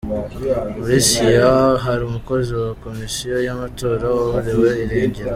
Muri Siaya, hari umukozi wa Komisyo y’Amatora waburiwe irengero.